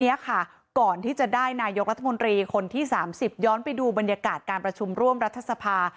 เนี่ยค่ะก่อนที่จะได้นายกรัฐมนตรีคนที่๓๐ย้อนไปดูบรรยากาศการประชุมร่วมรัฐสภา